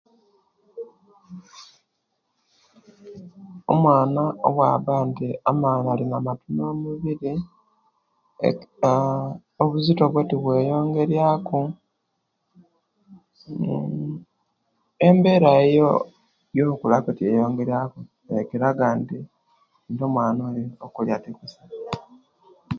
Omwana owaba nti matono omubiri aaa obuziti bwe tibweyongeria ku nnn embera eyokula tiyeyongeria ku ekiraga nti omwana okulya kutono